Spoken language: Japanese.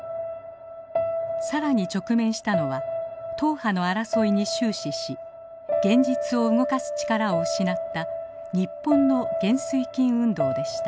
更に直面したのは党派の争いに終始し現実を動かす力を失った日本の原水禁運動でした。